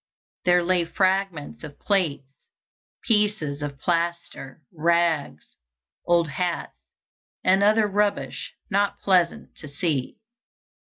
There lay fragments of plates, pieces of plaster, rags, old hats, and other rubbish not pleasant to see.